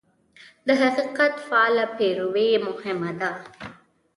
د حقیقت فعاله پیروي مهمه ده.